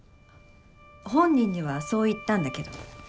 本人にはそう言ったんだけど。